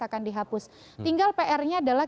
akan dihapus tinggal pr nya adalah